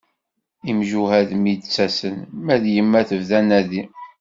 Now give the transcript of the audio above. Imjuhad mi d-ttasen, ma d yemma tebda anadi.